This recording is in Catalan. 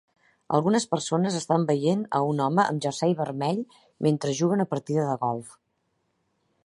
Algunes persones estan veient a un home amb jersei vermell mentre juga una partida de golf.